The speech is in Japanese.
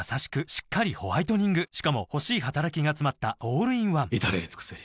しっかりホワイトニングしかも欲しい働きがつまったオールインワン至れり尽せり